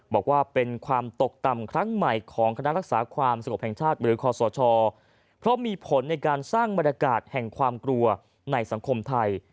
บอกว่าเป็นความตกต่ำครั้งใหม่ของคณะรักษาความสงบแห่งชาติหรือคอสชเพราะมีผลในการสร้างบรรยากาศแห่งความกลัวในสังคมไทย